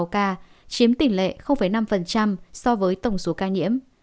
hai ba trăm linh sáu ca chiếm tỉnh lệ năm so với tổng số ca nhiễm